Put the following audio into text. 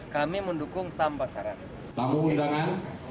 kami mendukung tanpa saran